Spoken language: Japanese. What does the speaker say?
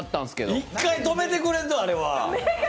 １回、止めてくれんとあれは。